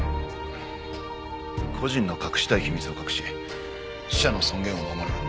故人の隠したい秘密を隠し死者の尊厳を守る。